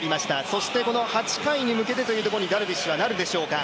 そして、８回に向けてというところにダルビッシュはなるでしょうか。